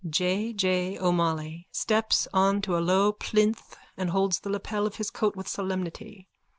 _(J. J. O'Molloy steps on to a low plinth and holds the lapel of his coat with solemnity.